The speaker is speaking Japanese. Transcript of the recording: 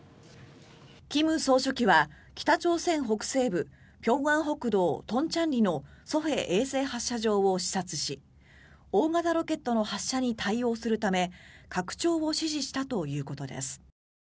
金総書記は北朝鮮北西部平安北道トンチャンリのソヘ衛星発射場を視察し大型ロケットの発射に対応するため拡張を指示したということです。